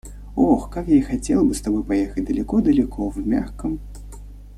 – Ох, как и я хотела бы с тобой поехать далеко-далеко в мягком!..